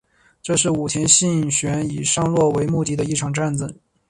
这是武田信玄以上洛为目的的一场战争。